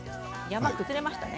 山が崩れましたね。